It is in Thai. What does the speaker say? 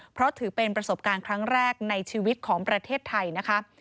เพราะถือเป็นประสบการณ์ครั้งแรกในชีวิตของประเทศไทยนะคะ